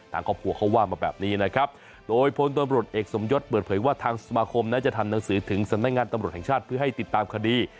โดยโพลตังบริโหลตเอกสมยศเบื้อเผยว่าทางสมคมนั้นจะทำหนังสือถึงสนักงานตำรวจแห่งชาติเพื่อให้ติดตามคดี